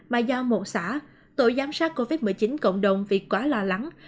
mà do một xã tội giám sát covid một mươi chín cộng đồng vì quá lo lắng